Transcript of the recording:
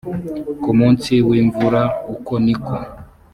ku munsi w imvura uko ni ko